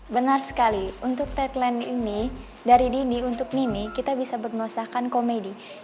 benar sekali untuk taidline ini dari dini untuk nini kita bisa bernusakan komedi